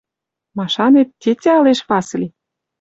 Машанет, тетя ылеш Васли